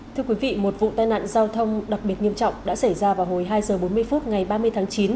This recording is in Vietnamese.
thưa quý vị một vụ tai nạn giao thông đặc biệt nghiêm trọng đã xảy ra vào hồi hai h bốn mươi phút ngày ba mươi tháng chín